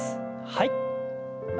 はい。